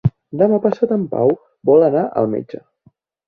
Demà passat en Pau vol anar al metge.